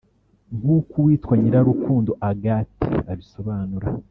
nk’uko uwitwa Nyirarukundo Agathe abisobanura